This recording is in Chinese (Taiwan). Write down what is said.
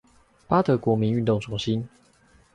八德國民運動中心